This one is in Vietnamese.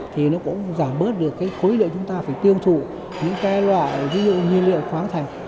thì nó cũng giảm bớt được cái khối lượng chúng ta phải tiêu thụ những cái loại ví dụ nhiên liệu khoáng thạch